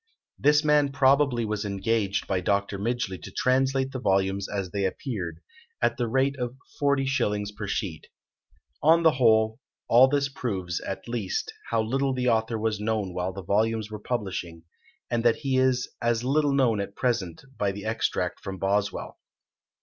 This man probably was engaged by Dr. Midgeley to translate the volumes as they appeared, at the rate of 40s. per sheet. On the whole, all this proves, at least, how little the author was known while the volumes were publishing, and that he is as little known at present by the extract from Boswell.